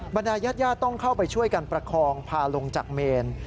บรรดายาดต้องเข้าไปช่วยกันประคองพาลงจากเมน